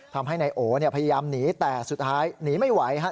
ทำให้นายโอพยายามหนีแต่สุดท้ายหนีไม่ไหวฮะ